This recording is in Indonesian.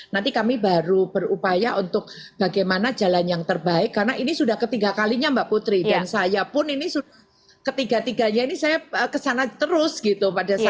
nanti kami baru berupaya untuk bagaimana jalan yang terbaik karena ini sudah ketiga kalinya mbak putri dan saya pun ini sudah ketiga tiganya ini saya kesana terus gitu pada saat itu